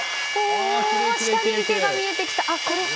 下に池が見えてきた。